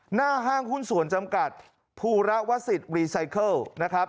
ห้างหุ้นส่วนจำกัดภูระวสิทธิ์รีไซเคิลนะครับ